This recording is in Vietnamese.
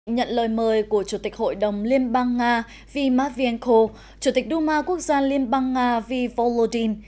nhận lời mời của chủ tịch hội đồng liên bang nga vy matvienko chủ tịch đu ma quốc gia liên bang nga vy volodin